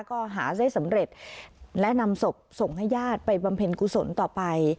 ก็หาได้สำเร็จและนำศพส่งให้ญาติไปบำเพ็ญกุศลต่อไป